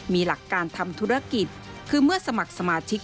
มีหลักการทำธุรกิจคือเมื่อสมัครสมาชิก